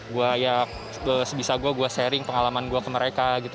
gue ya sebisa gue gue sharing pengalaman gue ke mereka gitu